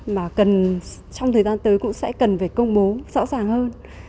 mà trong thời gian tới cũng sẽ cần phải công bố rõ ràng hơn